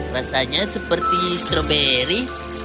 rasanya seperti stroberi